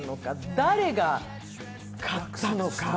誰が買ったのか。